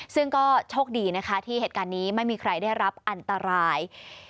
ซึ่งก็โชคดีนะคะที่เหตุการณ์นี้ไม่มีใครได้รับอันตราย